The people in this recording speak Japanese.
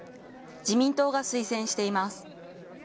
自民党が推薦しています。